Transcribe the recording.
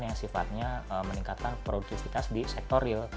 yang sifatnya meningkatkan produktivitas di sektor real